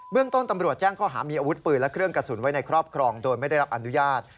เรื่องต้นตำรวจแจ้งข้อหามีอาวุธปืนและเครื่องกระสุนไว้ในครอบครองโดยไม่ได้รับอนุญาต